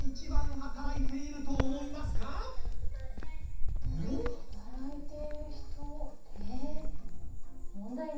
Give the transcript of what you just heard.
働いている人ええ？